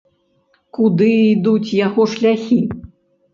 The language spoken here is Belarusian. Куды ідуць яго шляхі?